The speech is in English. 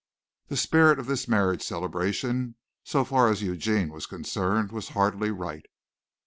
The spirit of this marriage celebration, so far as Eugene was concerned, was hardly right.